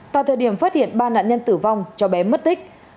tại thời điểm phát hiện ba nạn nhân tử vong cho bé mất tích